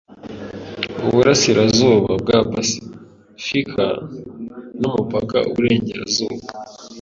iburasirazuba bwa pasifika n’umupaka w’iburengerazuba